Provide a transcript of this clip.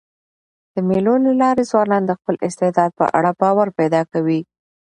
د مېلو له لاري ځوانان د خپل استعداد په اړه باور پیدا کوي.